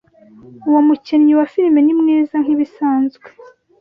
Uwo mukinnyi wa filime ni mwiza nkibisanzwe.